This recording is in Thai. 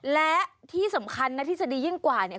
และที่สำคัญนะที่จะดียิ่งกว่าเนี่ย